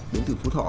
đến từ phú thọ ạ